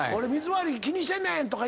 回り気にしてんねん」とか。